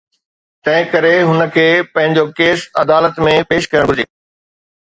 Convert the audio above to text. تنهن ڪري هن کي پنهنجو ڪيس عدالت ۾ پيش ڪرڻ گهرجي.